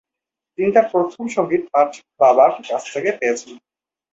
তিনি তার প্রথম সঙ্গীত পাঠ বাবার কাছ থেকে পেয়েছেন।